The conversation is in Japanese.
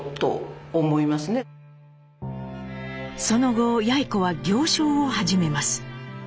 その後やい子は行商を始めます。